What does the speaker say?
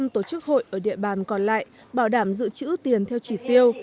một trăm linh tổ chức hội ở địa bàn còn lại bảo đảm dự trữ tiền theo chỉ tiêu